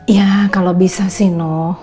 ya kalau bisa sih no